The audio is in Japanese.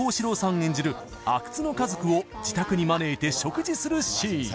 演じる阿久津の家族を自宅に招いて食事するシーン